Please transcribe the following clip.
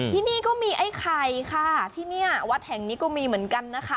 ที่นี่ก็มีไอ้ไข่ค่ะที่เนี่ยวัดแห่งนี้ก็มีเหมือนกันนะคะ